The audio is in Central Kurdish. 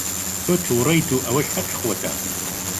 تۆ تووڕەیت و ئەوەش هەقی خۆتە.